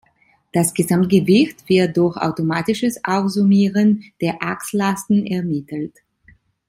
Das Gesamtgewicht wird durch automatisches Aufsummieren der Achslasten ermittelt.